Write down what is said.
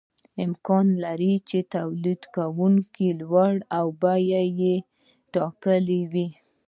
امکان لري چې تولیدونکي لوړه بیه ټاکلې وي